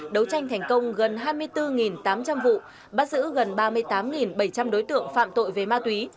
đấu tranh thành công gần hai mươi bốn tám trăm linh vụ bắt giữ gần ba mươi tám bảy trăm linh đối tượng phạm tội về ma túy